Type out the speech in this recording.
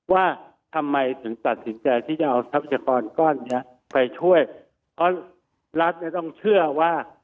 ว่าทำไมถึงตัดสินใจที่จะเอาทรัพยากรก้อนเนี้ยไปช่วยเพราะรัฐเนี่ยต้องเชื่อว่า